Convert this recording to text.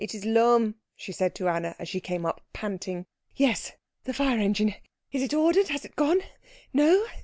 "It is Lohm," she said to Anna as she came up panting. "Yes the fire engine is it ordered? Has it gone? No?